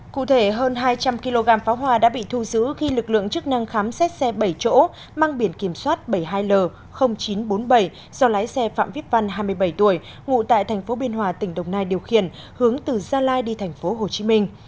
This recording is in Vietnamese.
cụ thể hơn hai trăm linh kg pháo hoa đã bị thu giữ khi lực lượng chức năng khám xét xe bảy chỗ mang biển kiểm soát bảy mươi hai l chín trăm bốn mươi bảy do lái xe phạm viết văn hai mươi bảy tuổi ngụ tại tp biên hòa tỉnh đồng nai điều khiển hướng từ gia lai đi thành phố hồ chí minh